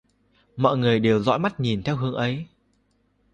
Mọi người đều dõi mắt nhìn theo hướng ấy